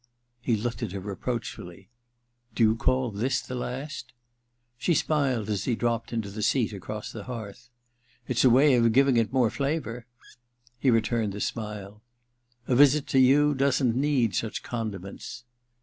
He looked at her reproachfully. *Do you call this the last ?' She smiled as he dropped into the seat across the hearth. *It's a way of giving it more flavour !* He returned the smile. *A visit to you doesn't need such condiments.'